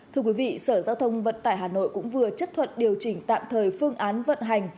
thưa quý vị sở giao thông vận tải hà nội cũng vừa chấp thuận điều chỉnh tạm thời phương án vận hành